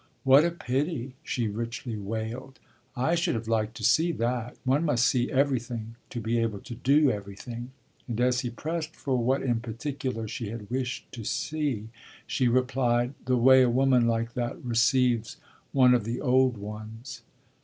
"What a pity!" she richly wailed. "I should have liked to see that. One must see everything to be able to do everything." And as he pressed for what in particular she had wished to see she replied: "The way a woman like that receives one of the old ones."